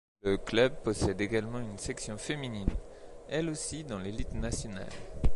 Le club possède également une section féminine, elle aussi dans l'élite nationale.